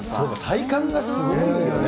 体幹がすごいよね。